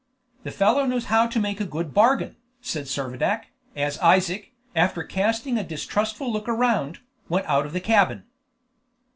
"The fellow knows how to make a good bargain," said Servadac, as Isaac, after casting a distrustful look around, went out of the cabin.